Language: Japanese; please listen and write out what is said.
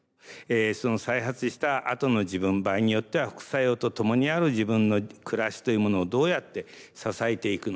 再発したあとの自分場合によっては副作用とともにある自分の暮らしというものをどうやって支えていくのか。